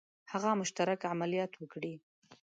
هغه مشترک عملیات وکړي.